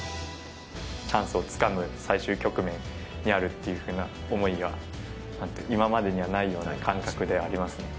チャンスをつかむ最終局面にあるというふうな思いが、今までにはないような感覚でありますね。